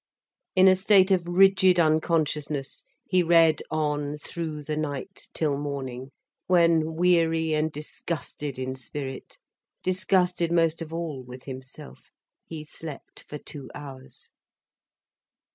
In a state of rigid unconsciousness, he read on through the night, till morning, when, weary and disgusted in spirit, disgusted most of all with himself, he slept for two hours.